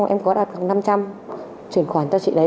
em có đặt hàng năm trăm linh chuyển khoản cho chị đấy